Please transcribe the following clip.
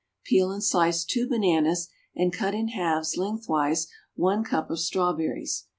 Peel and slice two bananas, and cut in halves lengthwise one cup of strawberries.